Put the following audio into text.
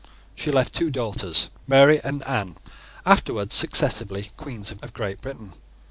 She left two daughters, Mary and Anne, afterwards successively Queens of Great Britain.